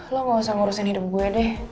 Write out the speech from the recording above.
lo gak usah ngurusin hidup gue deh